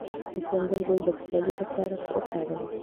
د سنبل ګل د پسرلي لپاره وکاروئ